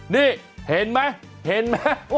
นี่เห็นไหมเห็นไหม